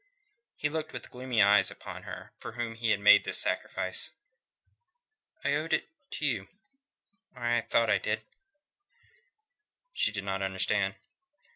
He looked with gloomy eyes upon her for whom he had made this sacrifice. "I owed it to you or thought I did," he said. She did not understand.